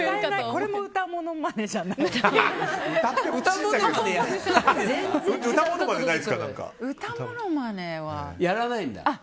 これも歌ものまねじゃないんですけど。